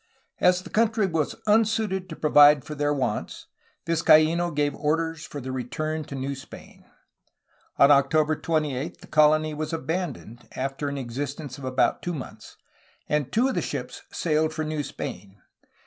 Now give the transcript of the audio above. As the country was unsuited to provide for their wants, Vizcaino gave orders for the return to New Spain. On October 28 the colony was abandoned, after an existence of about two months, and two of the ships sailed for New Spain.